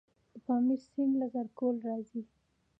د پامیر سیند له زرکول راځي